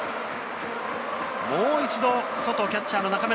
もう一度、外、キャッチャーの中村。